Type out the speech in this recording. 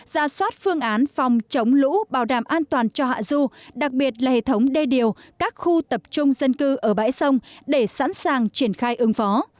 ra soát phương án phòng chống lũ bảo đảm an toàn cho hạ du đặc biệt là hệ thống đê điều các khu tập trung dân cư ở bãi sông để sẵn sàng triển khai ứng phó